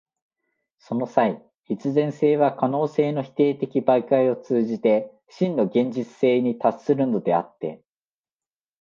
その際、必然性は可能性の否定的媒介を通じて真の現実性に達するのであって、